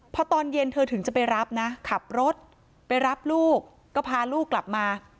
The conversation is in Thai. พอตอนเย็นเธอถึงจะไปรับนะขับรถไปรับลูกก็พาลูกกลับมา